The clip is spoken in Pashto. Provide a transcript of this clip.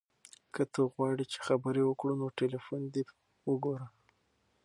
که ته غواړې چې خبرې وکړو نو تلیفون دې ته وګوره.